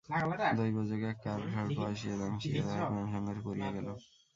দৈবযোগে এক কালসর্প আসিয়া দংশিয়া তাহার প্রাণসংহার করিয়া গেল।